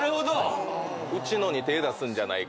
うちのに手ぇ出すんじゃないかとか。